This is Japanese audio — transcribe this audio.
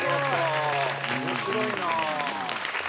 面白いなぁ。